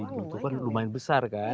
itu kan lumayan besar kan